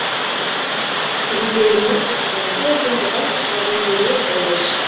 Витле ийым эртышыжлан поездын пытартыш вагонжо веле коеш.